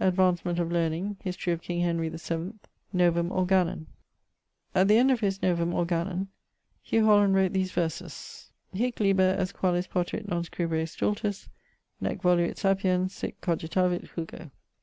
Advancement of learning. History of King Henry the 7th. Novum Organon. At the end of his Novum Organon Hugh Holland wrote these verses: Hic liber est qualis potuit non scribere Stultus, Nec voluit Sapiens: sic cogitavit Hugo.